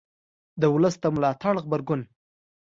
د ولس د ملاتړ غبرګون